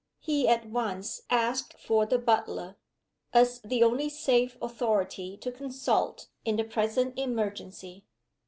He at once asked for the butler as the only safe authority to consult in the present emergency.